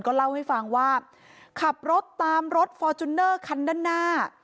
เล่าให้ฟังว่าขับรถตามรถฟอร์จูเนอร์คันด้านหน้า